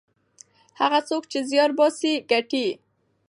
هغه څوک چې زیار باسي ګټي.